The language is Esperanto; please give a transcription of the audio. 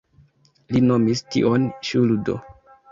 Li nomis tion ŝuldo.